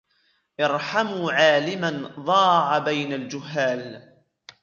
ارْحَمُوا عَالِمًا ضَاعَ بَيْنَ الْجُهَّالِ